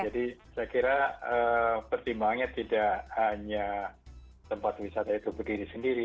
jadi saya kira pertimbangannya tidak hanya tempat wisata itu berdiri sendiri